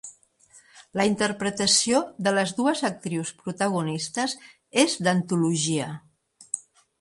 La interpretació de les dues actrius protagonistes és d'antologia.